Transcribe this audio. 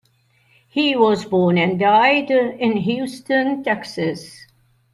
He was born and died in Houston, Texas.